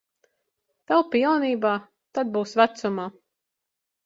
Taupi jaunībā, tad būs vecumā.